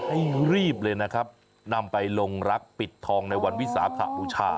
ให้รีบเลยนะครับนำไปลงรักปิดทองในวันวิสาขบูชา